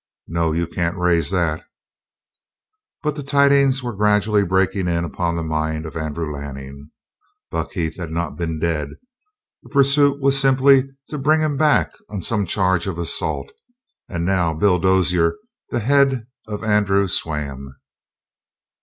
No, you can't raise that!" But the tidings were gradually breaking in upon the mind of Andrew Lanning. Buck Heath had not been dead; the pursuit was simply to bring him back on some charge of assault; and now Bill Dozier the head of Andrew swam.